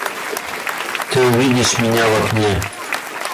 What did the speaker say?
Ты увидишь меня в окне.